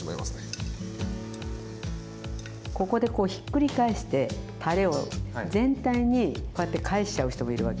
ここでこうひっくり返してたれを全体にこうやって返しちゃう人もいるわけ。